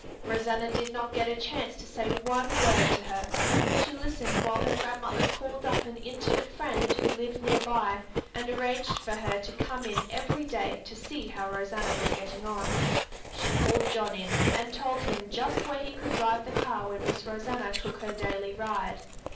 Rosanna did not get a chance to say one word to her. She listened while her grandmother called up an intimate friend who lived near by and arranged for her to come in every day to see how Rosanna was getting on. She called John in and told him just where he could drive the car when Miss Rosanna took her daily ride.